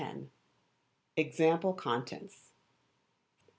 Example Contents.